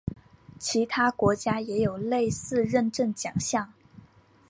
其他国家也有类似认证奖项。